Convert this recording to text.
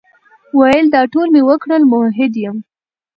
ویل دا ټول مي وکړل، مؤحد یم ،